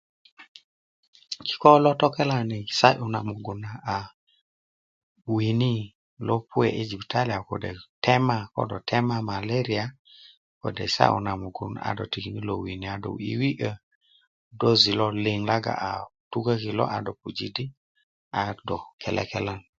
kiko lo tokelani sa'yú na mugun a wini lo puwe i jibitaliá kode tema ko dó tema maleria kode sa'yú na mugun a dó tikini kilo wini a dó wiwiä doji lo liŋ loŋ a tukoki ló a dó puji di a dó kelekelan